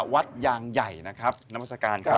วัดยางใหญ่นะครับนามัศกาลครับ